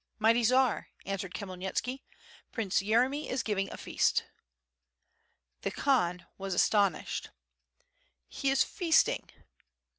"Mighty Tsar," answered Khmyelnitski, "Prince Yeremy is giving a feast." The Khan was astonished. "He is feasting?"